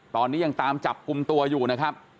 ตอนนี้ยังตามจับกลุ่มตัวอยู่นะครับ